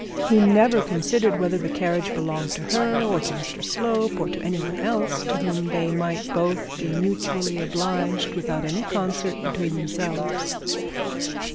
He never considered whether the carriage belonged to her or to Mr Slope, or to any one else to whom they might both be mutually obliged without any concert between themselves.